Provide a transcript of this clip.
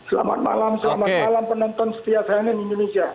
selamat malam selamat malam penonton setiap hari ini di indonesia